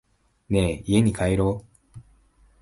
ねぇ、家に帰ろう。